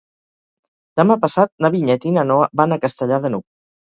Demà passat na Vinyet i na Noa van a Castellar de n'Hug.